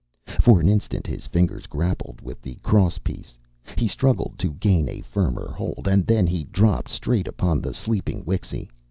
For an instant his fingers grappled with the cross piece; he struggled to gain a firmer hold; and then he dropped straight upon the sleeping Wixy.